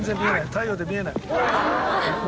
太陽で見えない。